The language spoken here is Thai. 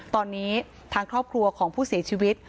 ตอนนี้ทางครอบครัวของผู้เสียชีวิต